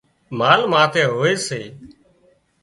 مال ماٿي هوئي سي